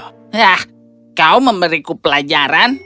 hah kau memberiku pelajaran